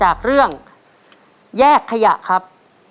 จากเรื่องแยกขยะครับ